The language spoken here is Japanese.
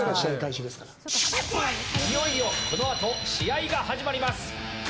いよいよ、このあと試合が始まります！